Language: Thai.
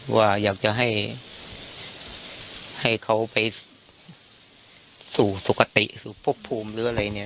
ว่าอยากจะให้เขาไปสูงสกติหรืออะไร